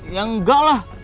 ya gak lah